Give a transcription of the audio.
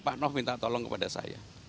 pak noh minta tolong kepada saya